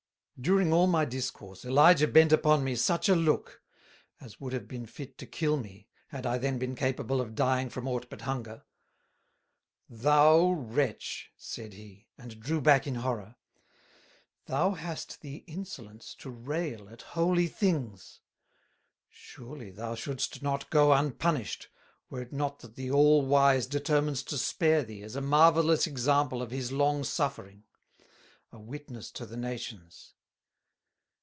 During all my discourse Elijah bent upon me such a look, as would have been fit to kill me, had I then been capable of dying from aught but Hunger. "Thou Wretch," said he, and drew back in horror, "thou hast the insolence to rail at Holy Things! Surely thou shouldst not go unpunished, were it not that the All wise determines to spare thee as a marvellous example of His long suffering, a witness to the Nations.